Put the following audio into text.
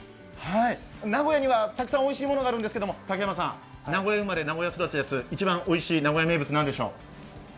名古屋にはたくさんおいしいものがあるんですが、竹山さん、名古屋生まれ、名古屋育ちです、一番おいしい名古屋名物は何でしょう？